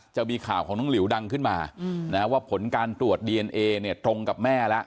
จะมีข่าวของน้องหลิวดังขึ้นมาว่าผลการตรวจดีเอนเอเนี่ยตรงกับแม่แล้ว